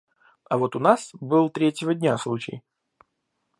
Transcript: А вот у нас был третьего дня случай